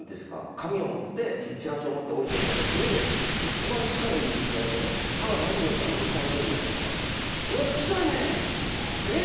紙を持ってチラシを持って下りていった時に一番地下の入り口の方で歯が何本しかないおじさん芸人がいて。